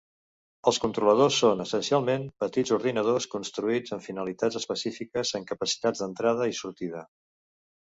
Els controladors són essencialment petits ordinadors construïts amb finalitats específiques amb capacitats d'entrada i sortida.